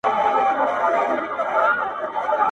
پـــه دغـــه كـــوچــنــــي اخـــتــــــــره.